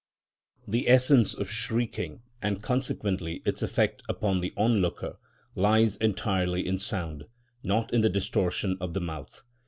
The essence of shrieking, and consequently its effect upon the onlooker, lies entirely in sound; not in the distortion of the mouth.